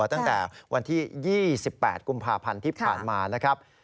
ตั้งแต่วันที่๒๘กุมภาพันธ์ที่ผ่านมานะครับ